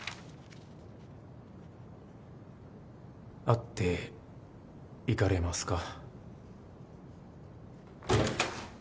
会っていかれますか？